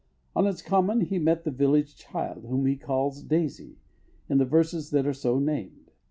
On its common he met the village child, whom he calls "Daisy," in the verses that are so named.